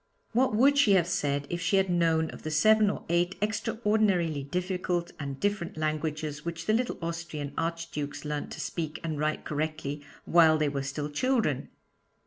What would she have said if she had known of the seven or eight extraordinarily difficult and different languages which the little Austrian Archdukes learnt to speak and write correctly while they were still children?